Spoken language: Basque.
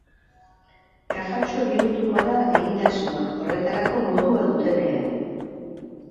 Kajatxo bihurtuko da egitasmoa horretarako modua dutenean.